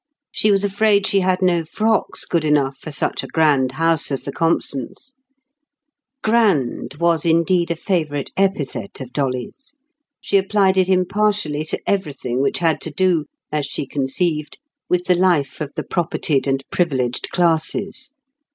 She was afraid she had no frocks good enough for such a grand house as the Compsons'. "Grand" was indeed a favourite epithet of Dolly's; she applied it impartially to everything which had to do, as she conceived, with the life of the propertied and privileged classes.